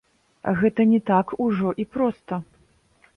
Гэта не так ужо і проста.